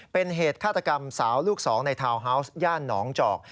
เป็นเหตุฆาตกรรมสาวลูกสองในทาวน์ฮาวส์ย่านหนองจอก